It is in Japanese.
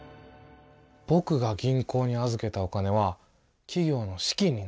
ぼくが銀行に預けたお金は企業の資金になるわけだ。